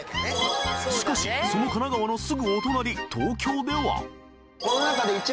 しかしその神奈川のすぐお隣東京では？